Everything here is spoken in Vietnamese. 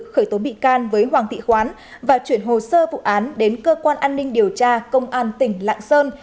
khởi tố bị can với hoàng thị quán và chuyển hồ sơ vụ án đến cơ quan an ninh điều tra công an tỉnh lạng sơn